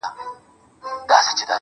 ډېـــره شناخته مي په وجود كي ده~